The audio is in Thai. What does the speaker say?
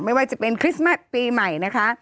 ไม่ว่าจะเป็นคริสต์มัสปีใหม่นะคะ